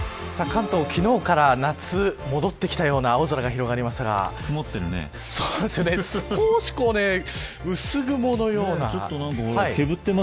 関東、昨日から夏が戻ってきたような青空が広がりましたが少し薄雲のような。